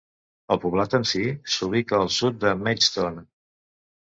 El poblat en sí s'ubica al sud de Maidstone.